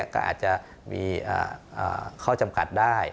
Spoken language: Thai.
ก็อาจจะมีข้อจำกัดได้